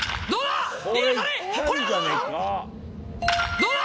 どうだ？